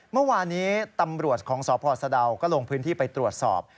เมื่อวานี้ตำรวจของสพสะดาวก็ลงพื้นที่ไปตรวจสอบ